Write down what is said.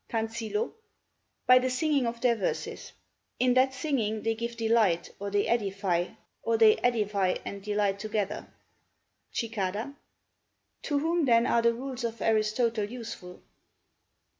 Tansillo By the singing of their verses: in that singing they give delight, or they edify, or they edify and delight together. Cicada To whom then are the rules of Aristotle useful?